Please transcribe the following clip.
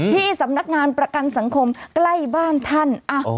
ที่สำนักงานประกันสังคมใกล้บ้านท่าน